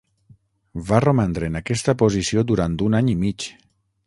Va romandre en aquesta posició durant un any i mig.